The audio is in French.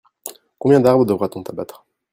Combien d'arbres devra-t-on abattre ?